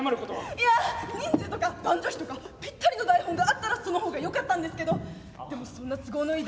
いや人数とか男女比とかぴったりの台本があったらその方がよかったんですけどでもそんな都合のいい